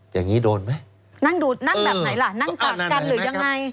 อย่างนี้โดนไหมนั่งดูนั่งแบบไหนล่ะนั่งกอดกันหรือยังไง